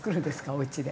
おうちで。